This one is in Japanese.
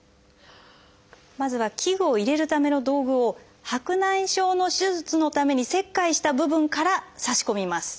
まずは器具を入れるための道具を白内障の手術のために切開した部分からさし込みます。